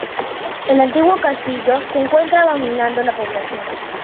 El antiguo castillo se encuentra dominando la población.